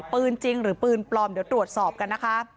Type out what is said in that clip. จริงหรือปืนปลอมเดี๋ยวตรวจสอบกันนะคะ